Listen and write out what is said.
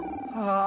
ああ。